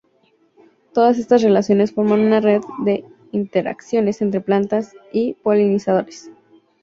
Todas estas relaciones forman una red de interacciones entre plantas y polinizadores.